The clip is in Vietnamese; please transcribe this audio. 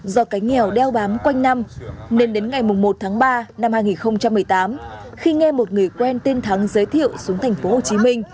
do cái nghèo đeo bám quanh năm nên đến ngày một tháng ba năm hai nghìn một mươi tám khi nghe một người quen tên thắng giới thiệu xuống tp hcm